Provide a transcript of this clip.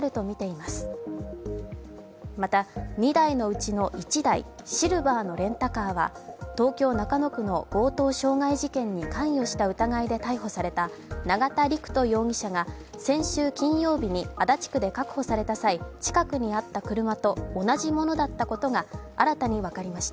また、２台のうちの１台シルバーのレンタカーは東京・中野区の強盗傷害事件に関与した疑いで逮捕された永田陸人容疑者が先週金曜日に足立区で確保された際近くにあった車と同じものだったことが新たに分かりました。